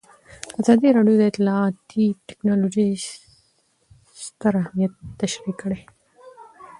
ازادي راډیو د اطلاعاتی تکنالوژي ستر اهميت تشریح کړی.